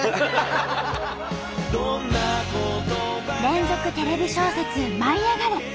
連続テレビ小説「舞いあがれ！」。